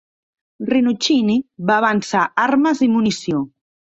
Rinuccini va avançar armes i munició.